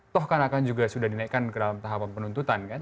toh kan akan juga sudah dinaikkan ke dalam tahapan penuntutan kan